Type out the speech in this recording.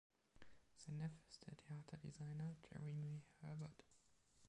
Sein Neffe ist der Theaterdesigner Jeremy Herbert.